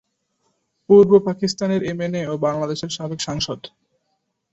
পূর্ব পাকিস্তানের এমএনএ ও বাংলাদেশের সাবেক সাংসদ।